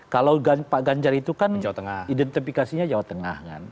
kalau pak ganjar itu kan identifikasinya jawa tengah kan